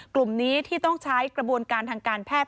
กลุ่มนี้ที่ต้องใช้กระบวนการทางการแพทย์